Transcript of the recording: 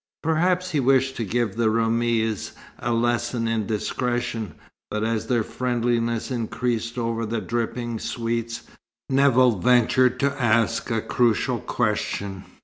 Perhaps he wished to give the Roumis a lesson in discretion; but as their friendliness increased over the dripping sweets, Nevill ventured to ask a crucial question.